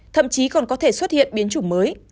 thậm chí còn có thể xuất hiện biến chủng mới